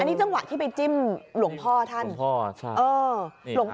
อันนี้เจ้าหวัดที่ไปจิ้มหงพอท่านหงพอใช่เอ๋อ